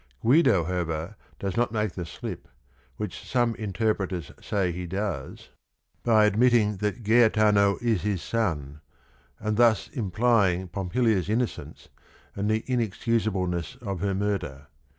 Guido, however, does not make the slip, which some interpreters say he coes, by COUNT GUIDO FRANCESCHINI 71 admitting that Gaetano is his son, and thus im plying Pompilia's innocence and the inexcusa bleness of her murder.